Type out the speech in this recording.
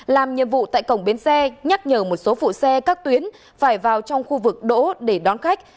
làm nhiệm vụ tại cổng bến xe nhắc nhở một số phụ xe các tuyến phải vào trong khu vực đỗ để đón khách